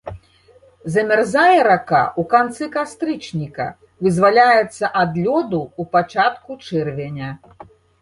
Замярзае рака ў канцы кастрычніка, вызваляецца ад лёду ў пачатку чэрвеня.